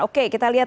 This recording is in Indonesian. oke kita lihat